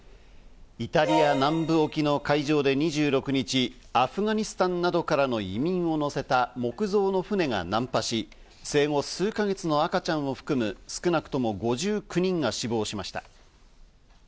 イタリア南部沖の海上で２６日、アフガニスタンなどからの移民を乗せた木造の船が難破し、生後、数か月の赤ちゃんを含む、少なくとも５９人が死亡しました。